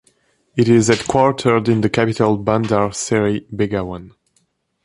It is headquartered in the capital Bandar Seri Begawan.